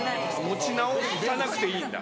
持ち直さなくていいんだ。